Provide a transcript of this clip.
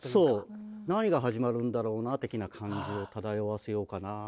何が始まるんだろうな的な感じを漂わせようかな。